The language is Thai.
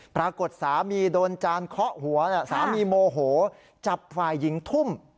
สามีโดนจานเคาะหัวสามีโมโหจับฝ่ายหญิงทุ่ม